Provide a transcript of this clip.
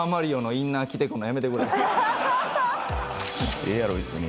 ええやろ、別に。